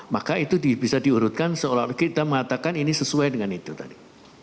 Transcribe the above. maka itu bisa diurutkan seolah olah kita mengatakan ini sesuai dengan itu tadi